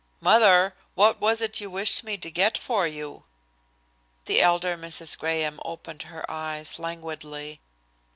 "Mother, what was it you wished me to get for you?" The elder Mrs. Graham opened her eyes languidly.